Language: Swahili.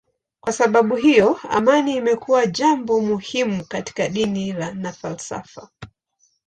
Kwa sababu hiyo amani imekuwa jambo muhimu katika dini na falsafa.